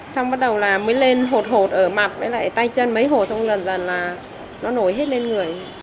xong bắt đầu là mới lên hột hột ở mặt với lại tay chân mấy hột xong lần lần là nó nổi hết lên người